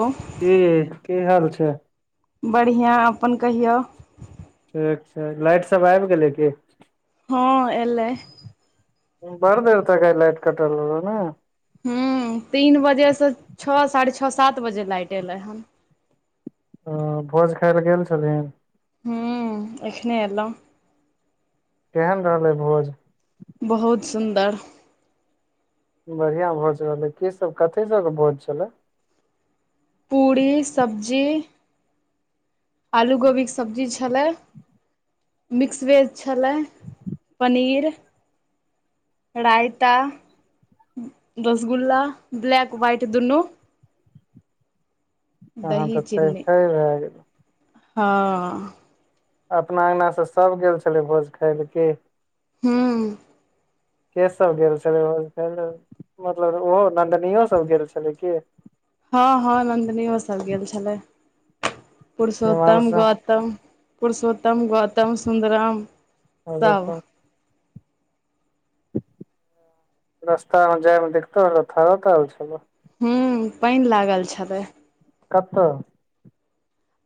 ओ की की हाल छै बढ़िया अपन कहियौ ठीक छै लाइट सब आइब गेलै की हँ एलै बड़ देर तै आइ लाइट कटल रहलो नय हुँ तीन बजे सँ छ साढ़े छ सात बजे लाईट एलै हन ओ भोज खाइ लऽ गेल छलहीन हुँ एखने एलहुँ केहेन रहलै भोज बहुत सुन्दर बढ़िया भोज रहलै की सब कथी सब कऽ भोज छलै पूड़ी सब्जी आलू गोभीक सब्जी छलै मिक्स वेज छलै पनीर रायता रसगुल्ला ब्लैक व्वाइट दुनू तहन दही तऽ थै चीनी थै भए गेलो हँ अपना अंगनासँ सभ गेल छलै भोज खाय लऽ की हुँ केँ सब गेल छलै भोज खाल लऽ मतलब ओहो नन्दनीयो सब गेल छलै की हँ हँ नन्दनीओ सब गेल छलै पुरुषोत्तम हिमांशु गौतम पुरुषोतम गौतम सुन्दरम आगा सब तऽ रस्तमे जायमे दिक्कतो भेलै थालो थाल छलाह हूँ पानि लागल छलै कतऽ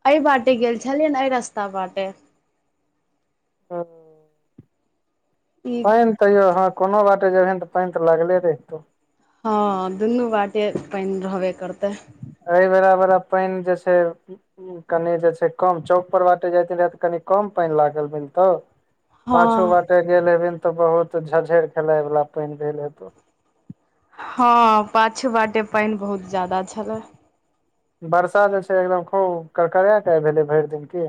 एहि बाटे गेल छलियैन एहि रास्ता बाटे हाँ ई पानि तैयो हँ कोनो बाटे जेबहिन तऽ पानि तऽ लागले रहितौ हाँ दुनू बाटे पानि रहबे करतै एहि बरा बड़ पानि जे छै कनि जे छै कम चौक पर बाटे जाथिन रहै तऽ कनि कम पानि लागल मिलतौ हँ पाछू बाटे गेल हेबिहीं तऽ बहुत झझरि खेलाय वला पानि भेल हेतौ हाँ पाछू बाटे पानि बहुत ज्यादा छलाह वर्षा जे छै एकदम खूब करकराके भेलै भरि दिन की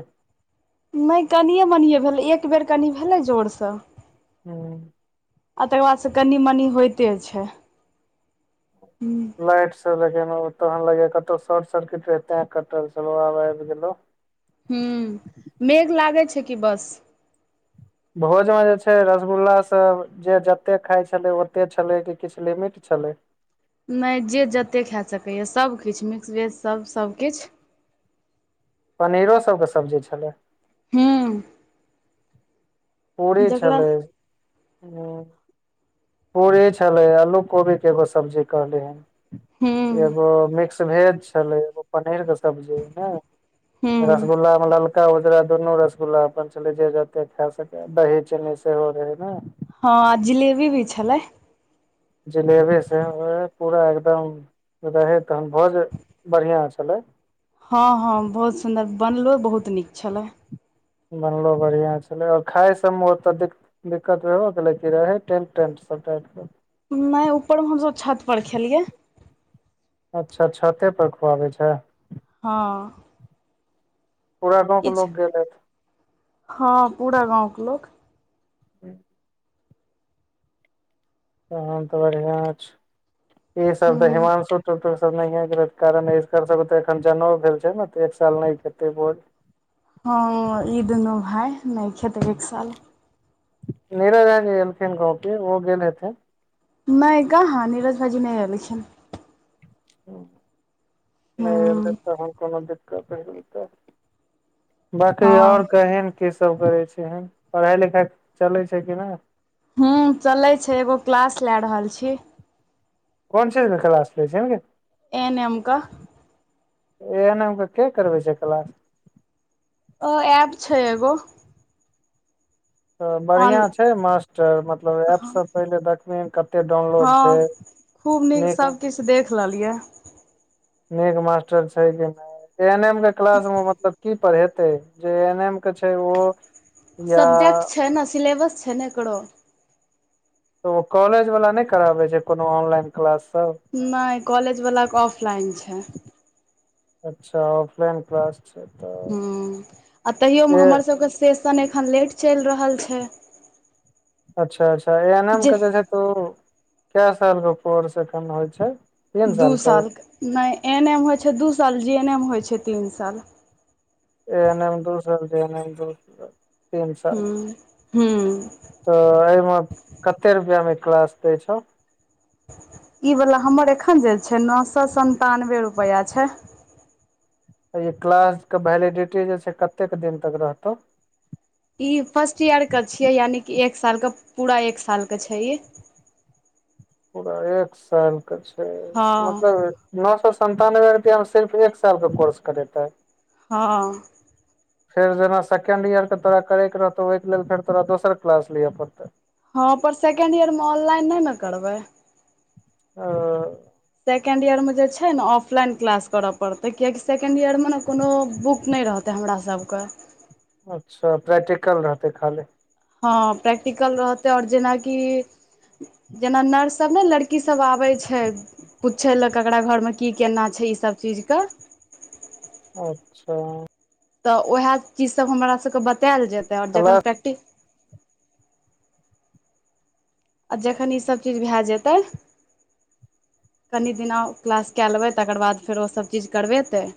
नहि कनिये मनि भेलै एक बेर कनि भेलै जोरसँ हूँ आ तकर बादसे कनी मनी होइते छै हूँ लाइट सब लगे हमरा होइ या कतहु शॉर्ट सर्किट रहै तें कटल छलोहु आब आबि गेलो हूँ मेघ लागै छै कि बस भोजमे जे छै रसगुल्लास सब जे जतेक खाइ छलै ओतेक छलै कि किछु लिमिट छलै नहि जे जतेक खा सकैए सभकिछु मिक्स वेजसभ सभकिछु पनीरो सबके सब्जी छलै हूँ पूरी जकरा छलै हूँ पूरी छलै आलू कोबीके एगो सब्जी हूँ कहलिहीं एगो मिक्स- -भेज छलै एगो पनीरके सब्जी नै हूँ रसगुल्ला ललका उजरा दुनू रसगुल्ला अपन छले जे जते खा सकेऽ दही चीनी सेहो रहेै ने हाँ आ जिलेबी भी छलै जिलेबी से ए-पूरा एकदम रहै तहन भोज बढ़ियाँ छलै हाँ हाँ बहुत सुन्दर बनलो बहुत नीक छलै बनलो बढ़ियाँ छलै आओर खाइ सभमे ओतऽ दिक्क- दिक्कत भेबो केलै कि रहै टेन्ट-टेन्ट सब टाइट नहि उपरमे हमसभब छत पर खेलियै अच्छा छते पर खुआबै छै हाँ पूरा गाँंवके लोग गेल हेतै हाँ पूरा गाँंवके लोक हूँ तन तऽ बढ़ियाँ छो ई सब तऽ हूँ हिमांशु टूटू सब नहि गेल हतौ कारण एकर सबकें जनउ भेल छै ने एक साल नहि खेतै भोज हाँ ई दुनू भाइ नहि खेतै एक साल नीरज राय नहि एलखिन गांव कि ओ गेल हेथिन नहि कहाँ नीरज भाइजी नहि एलखिन हूँ नहि एलै हूँ तहन कोनो दिक्कत भेल हेतै बाँकी हँ आओर कहिन की सब करै छिहींन पढ़ाइ लिखाइ चलै छै कि नहि हुँ चले छै एगो क्लास लै रहल छी कोन चीज केँ कलास लैय छही गे ए एन एम कऽ ए एन एम कऽ केँ करबै छै कलास ओ ऐप छै एगो तऽ ऑन बढ़िया छै मास्टर मतलब ऐप सब पहिले देखलही कत हँ खूब नीक सबकिछ देख लेलियै नीक मास्टर छै कि नय ए एन एम केँ क्लास मे मतलब की पढ़ेतै जे ए एन एम केँ छै उहो सब्जेक्ट छै नऽ सिलेबस छै नऽ एकरो तऽ ओ कॉलेज वला नय कराबै छै कोनो ऑनलाइन क्लास सब नय कॉलेज वला कऽ ऑफलाइन छै अच्छऽ ऑफलाइन क्लास छै तऽ हुँ आ तहियो मऽ ए हमर सभ कऽ सेशन एखन लेट चैल रहल छै अच्छऽ अच्छऽ ए एन एम केँ जे छै तऽ उ कै साल कऽ कोर्स एखन होइ छै तीन दू के साल कऽ नय ए एन एम होइ छै दू साल जे एन एम होइ छै तीन साल ए एन एम दू साल जे एन एम दू तीन साल हूँ हूँ तऽ एय मऽ कते रुपैया मे क्लास देय छौ ई वला हमर एखन जे छै नो सौ सनतानबे रुपैया छै तऽ ई क्लास केँ वैलिडिटी जे छै कतेक दिन तक रहतौ ई फर्स्ट ईयर कऽ छियै यानि एक साल कऽ पूरा एक साल कऽ छै ई पूरा एक साल कऽ छै हँ मतलब नो सौ सन्तानबे रुपया मऽ सिर्फ एक साल कऽ कोर्स करेतै हँ [inaudible] फेर जेना सेकेंड ईयर कऽ तोरा करैय कऽ रहतौ ओहि कऽ लेल फेर तोरा दोसर क्लास लिअ पड़तै हँ पर सेकेण्ड इयर मऽ ऑनलाइन नय नऽ करबै अ ओ सेकेण्ड ईयर मे जे छै नऽ ऑफलाइन क्लास करऽ पड़तै कियाकि सेकेण्ड ईयर मऽ नऽ कोनो बुक नय रह तै हमरा सब कऽ अच्छऽ प्रैक्टिकल रहतै खाली हँ प्रैक्टिकल रहतै आओर जेनाकि जेना नर्ससब नय लड़की सब आबै छै पुछै लऽ ककरा घर मऽ की केना छै ईसब चीज कऽ अच्छऽ तऽ ओहै चीजसब हमरा सभ कऽ बतैल जेतै आओर जखन क्लास प्रैक्टि आ जखन ई सब चीज भए जेतै कनि दिना आओर क्लास कए लेबै तकर बाद फेर ओसभ चीज करबेतै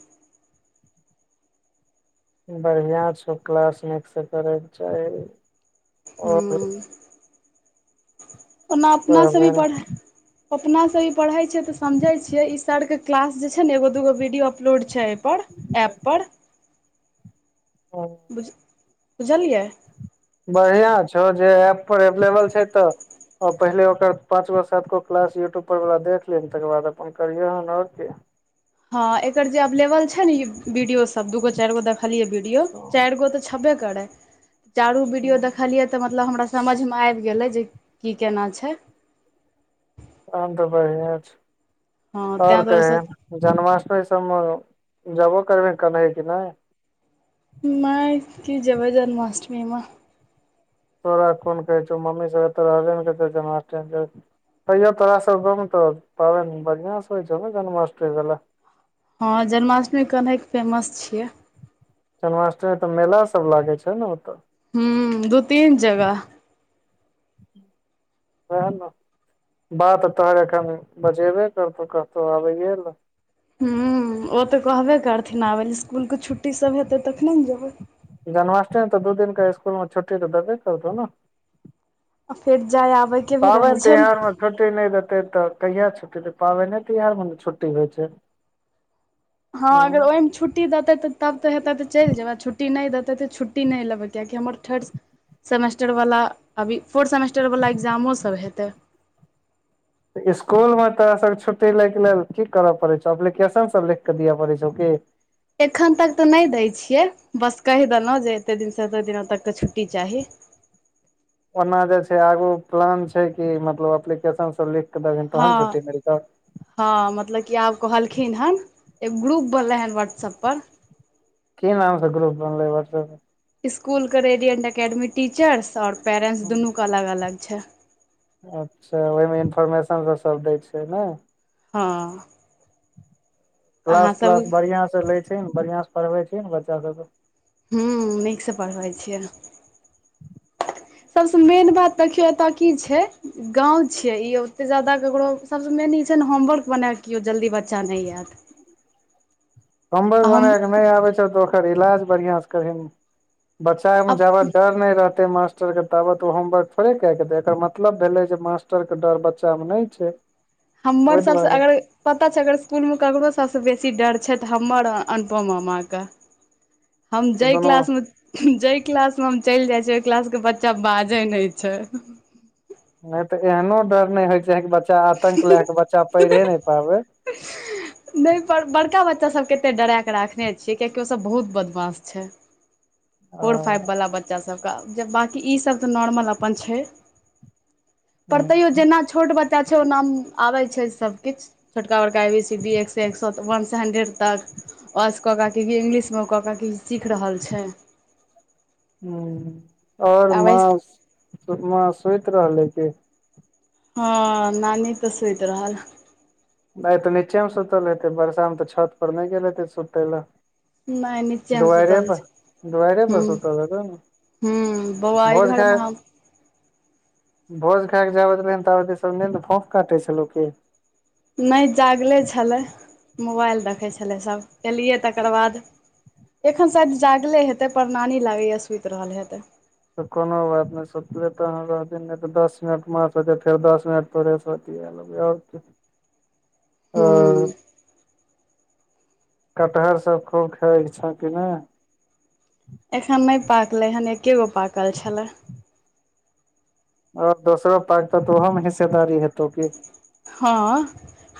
बढ़िया छौ क्लास नीक सँ करै कऽ चाही आओर हुँ ओना अपनासँ भी पढ़ै अपना से भी पढ़े छियै तऽ समझै छियै इ सर केँ क्लास जे छै नऽ एगो दूगो वीडियो अपलोड छै पर ऐप पर हँ बुझ बुझलियै बढ़ियाँ छौ जे एप पर एवलेबल छै तऽ औ पहिले ओकर पांचगो सातगो क्लास यूट्यूब पर वला देखलहींन तकर बाद अपन करियौहन आओर की हाँ एकर जे अवलेबल छै ने ई वीडियो सब दूगो चारिगो देखलियै वीडियो चारिगो तऽ छबे करैऽ चारु की वीडियो देखलियै तऽ मतलब हमरा समझमे आबि गेलै जे की केना छै तहन तऽ बढ़िएं हँ छो आओर ताहि दुआरे सोच कहिन जन्माष्टमी सबमे जबो करबहिन कन्है की नहि नहि की जेबै जन्माष्टमीमे तोरा कोन कहै छौ मम्मी सब एत्त रहबे ने करतौ जन्माष्टमी जाबहीं तइयौ तोरा सब गाँवमे तऽ पाबनि बढ़ियाँ सऽ होइ छौ ने जन्माष्टमी वला हाँ जन्माष्टमी कन्हैके तऽ फेमस छियै जन्माष्टमीमे तऽ मेला सभ लागै छै ने ओतऽ हूँ दू तीन जगह वहाए नऽ बाऽ तोहर एखन बजेबे करतौ कहतौ आबै लाऽ हूँ ओ तऽ कहबे करथिन आबै लाऽ इस्कूलके छुट्टी सभ हेतै तखने नऽ जेबै जन्माष्टीमे तऽ दू दिनक इस्कुलमे छुट्टीऽ देबे करतौ ने आ फेर जाइ आबैयके भी पाबनि रहै छै तिहार ने मे छुट्टी नहि देतै तऽ कहिया छुट्टी देतै पाबनि तिहारमे ने छुट्टी होइ छै [inaudible] हाँ अगर ओहिमे छुट्ट- -ट्टी देतै तब तऽ हेतै तऽ चलि जेबै आ छुट्टी नहि देतै तऽ छुट्टी नहि लेबै कियाकि हमर थर्ड- -सेमेस्टर वला अभी फोर्थ सेमेस्टर वला एग्जामो सब हेतै तऽ इस्कूलमे तोरा सभके छुट्टी लैके लेल की करऽ पड़ै छौ एप्लीकेशनसभ लिखि कऽ दिअ पड़ै छौ की एखन तक तऽ नहि दै छियै बस कहि देलहुँ जे एते दिनसँ एते दिन तकके छुट्टी चाही ओना जे छै आगू प्लान छै कि मतलब ए्लीकेशन सब लिख कऽ देबहीं तहन छुट्टी मिलतौ हाँ मतलब कि आब कहलखिन हन एक ग्रुप बनलै हन व्हाट्सअप पर की नाम सऽ ग्रुप बनलै वाट्सएप पर स्कूलके रेडियएंट अेकडमी टीचर्स और पेरेंट्स में दुनूके अलग अलग छै अच्छा ओहिमे इन्फोर्मेशन सब सब दै छै ने हाँ क्लास तलास बढ़ियाँसँ लै छिहींन बढ़ियाँसँ पढ़बैत छिहींन बच्चा सभके हूँ नीकसँ पढ़बै छियै सबस मेन बात देखियौ एतय की छै गाँंव छियै ई ओते ज्यादा केकरो सबस मेन ई छै ने होमवर्क बनाक जल्दी कियौ बच्चा नहि आएत आठ [inaudible] होमवर्क बनाके नहि आबै छो तऽ ओकर इलाज बढ़ियाँ सऽ करहीं बच्चामे अब ज्यादा डर नहि रहतै मास्टरके ताबत ओ होमवर्क थोड़े कए कऽ देत एकर मतलब भेलै जे मास्टरके डर बच्चामे नहि छै [inaudible] हमर सबसँ दुआरे अगर पता छै अगर इस्कूलमे ककरो सबसँ बेसी डर छै तऽ हमर अनुपम मामाके [inaudible] हम जाय दुनू क्लासमे जैय क्लास मे हम चलि जाइ छिय ओइ क्लास के बच्चा बाजै नै छै नै तऽ एहनो डर नै होइ छै ह बच्चा आतंक लए के बच्चा पढ़ए नै पाबै नै पर बड़का बच्चा सब के एते डरा क राखने छियै कियाकि ओ सब बहुत बदमाश छै फोर फाइब वला बच्चा सबके जब बाँकी इसब तऽ नॉर्मल अपन छै पर तैयो जेना छोट बच्चा छै ओना आबै छै सबकिछ छोटका बड़का ए बी सी डी एकसँ एक सए वनसँ हंड्रेड तक। ओसँ कऽ कऽ क इंग्लिशमे कऽ कऽ क सीख रहल छै, हूँ आओर आबै मा मास सुति रहलै की हँ नानी तऽ सुति रहल। नै तऽ नीचे मे सुतल हेतै बरषामे तऽ छत पर नै गेल हेते सुतय लऽ। नहि नीचेमे दुआरे सुतल पर छै दुआरे पर हूँ सुत रहताय हूँ बौवा यैघर मह भोज खायके जाबेत रहै ताबेत इसब फोफ काटै छलौकी नै जागले छलए मोबाइल देखै छलै सब एलियै तकर बाद एखन शायद जागले हेतै परणानी लागैया सुति रहल हेतै। तऽ कोनो बात नै सोतलै तऽ रह दि नै तऽ दस मिनट मास होतै फेर दस मिनट तोरेसँ तियाल बाह छै, [unintelligible] हूँ। कटहर सब खूब खाइ छऽ कि नै एखन नै पाकलै हन एकके गो पाकल छलै। आओर दोसरो पाकतौ तऽ ओहोमे हिस्सेदारी है तो की हँ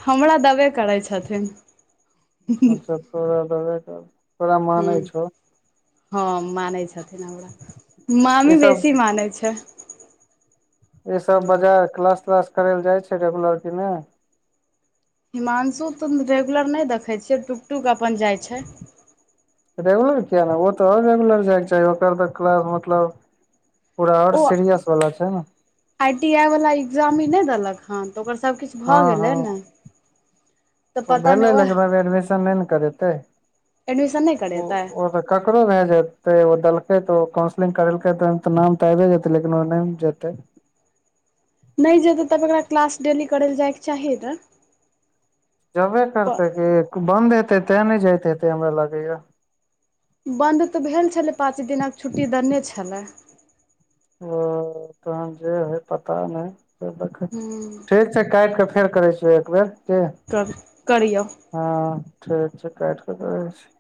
हमरा दबे करै छथिन, अचछा तोरा दबै क तोरा मानै हूँ छौ। हँ मानै छथिन हमरा ई मामी सब बेसी मानै छै, ई सब बजाय क्लास तलास करै लए जाइ छै रेगुलर कि नै हिमांशु तऽ रेगुलर नै देखै छियै टुक टुक अपन जाइ छै, रेगुलर किया नै ओ तऽ ओकर त आओर रेगुलर जाय छै ओकर तऽ क्लास मतलब पूरा आओर ओ सीरियस बला छै न आई टी आइ वला एग्जामी इ नै देलक हन तऽ ओकर सबकिछ भऽ हँ गेलै हँ ने तऽ ओ पता नहि भेलै ओएह लेकिन ओइमे एडमिशन नै ने करेतै एडमिशन नहि करेतै ओऽ ककरो भए जेतै ओ देलकै तऽ ओ काउंसलिंग करेलकै तऽ ओइमे तऽ नाम तऽ आबि जेतै लेकिन ओ नै जेतै नै जेतैऽ तब एकरा क्लास डेली करै लए जाइके चाही नऽ जबे करते कि बन्द हेते तें नै जाइत हेतै हमरा लागैया बन्द तऽ भेल छलै पाँच दिनक छुट्टी देने छलै। ओ तहन जे होई पता नै देख हूँ ठीक, काटि क फेर करै छियौ एक बेर। तब करियौ। हँ ठीक छै काट कऽ करै छी।